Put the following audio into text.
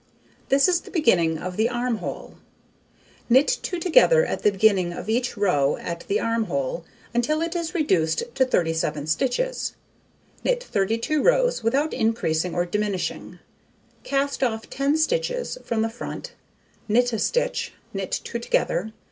This is the beginning of the arm hole. Knit 2 together at the beginning of each row at the arm hole, until it is reduced to 37 stitches; knit 32 rows without increasing or diminishing; cast off 10 stitches from the front, knit a stitch, knit 2 together.